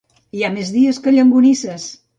Hi ha més dies que llonganisses.